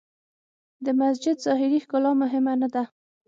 د مسجد ظاهري ښکلا مهمه نه ده.